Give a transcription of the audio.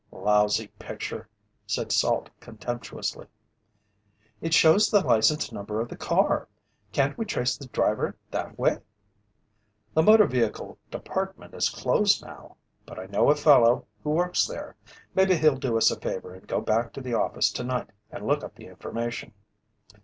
"Lousy picture," said Salt contemptuously. "It shows the license number of the car. Can't we trace the driver that way?" "The Motor Vehicle Department is closed now. But I know a fellow who works there. Maybe he'll do us a favor and go back to the office tonight and look up the information."